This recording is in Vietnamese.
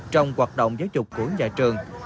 trong hoạt động giáo dục của nhà trường